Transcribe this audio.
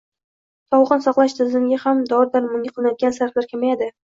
sog‘liqni saqlash tizimiga hamda dori-darmonga qilinayotgan sarflar kamayadi